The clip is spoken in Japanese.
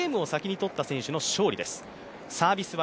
４ゲームを先に取った選手の勝利です。